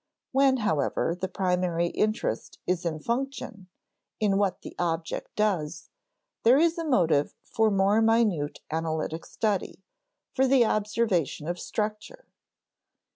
When, however, the primary interest is in function, in what the object does, there is a motive for more minute analytic study, for the observation of structure.